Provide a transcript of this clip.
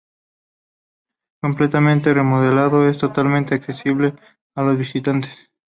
Completamente remodelado, es totalmente accesible a los visitantes.